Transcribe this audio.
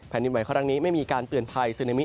แผ่นดินไหวขนาดนี้ไม่มีการเตือนภายซึนามิ